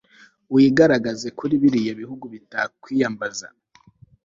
wigaraagaze kuri biriya bihugu bitakwiyambaza